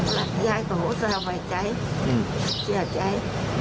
หลานย่าไก่อุทสาห์ไว้ใจเสียใจ